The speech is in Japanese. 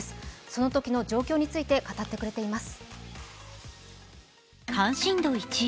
そのときの状況について語ってくれています。